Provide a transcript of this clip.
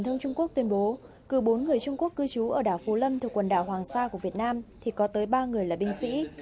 thông trung quốc tuyên bố cứ bốn người trung quốc cư trú ở đảo phú lâm thuộc quần đảo hoàng sa của việt nam thì có tới ba người là binh sĩ